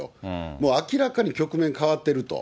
もう明らかに局面変わってると。